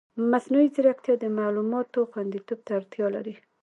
مصنوعي ځیرکتیا د معلوماتو خوندیتوب ته اړتیا لري.